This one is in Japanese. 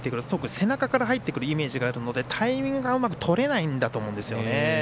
背中から入ってくるイメージがあると思うのでタイミングがうまくとれないんだと思うんですよね。